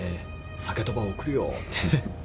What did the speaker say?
鮭とば送るよ」って。